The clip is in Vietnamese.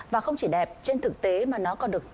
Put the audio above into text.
và không chỉ đẹp trên thực tế mà nó còn được